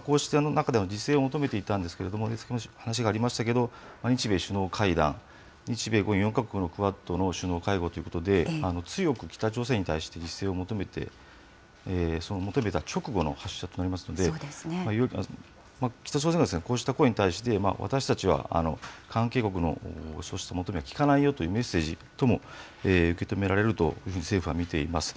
こうした中での自制を求めていたんですけれども、先ほども話がありましたけれども、日米首脳会談、日米豪印４か国のクアッドの首脳会合ということで、強く北朝鮮に対して自制を求めた直後の発射となりますので、北朝鮮はこうした声に対して、私たちは関係国のそうした求めをきかないよというメッセージとも受け止められるというふうに政府は見ています。